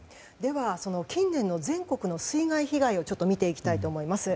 近年の全国の水害被害を見ていきたいと思います。